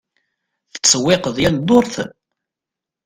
Tettsewwiqeḍ yal ddurt?